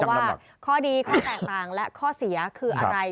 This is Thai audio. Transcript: ว่าข้อดีข้อแตกต่างและข้อเสียคืออะไร